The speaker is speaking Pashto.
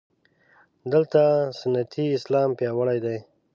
دلته سنتي اسلام پیاوړی دی.